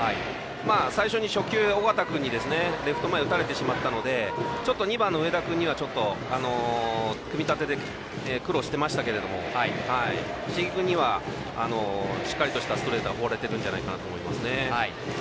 最初に初球で緒方君にレフト前を打たれてしまったのでちょっと２番の上田君には組み立てで苦労していましたけど椎木君にはしっかりとしたストレートが放れているんじゃないかなと思います。